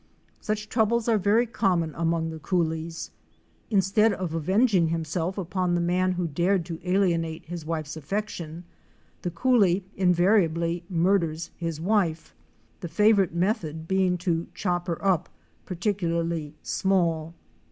Such troubles are very common among the coolies. Instead of avenging himself upon the man who dared to alienate his wife's affections, the coolie invariably murders his wife, the favorite method being to chop her up " particularly small."